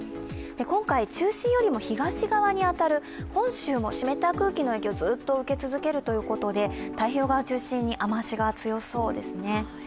今回、中心よりも東寄りに当たる本州も湿った空気の影響をずっと受けるということで太平洋側を中心に雨脚が強そうですね。